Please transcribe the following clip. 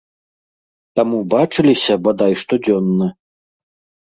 Таму бачыліся, бадай, штодзённа.